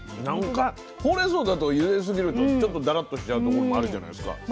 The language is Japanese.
なんかほうれんそうだとゆですぎるとちょっとダラッとしちゃうところもあるじゃないですか。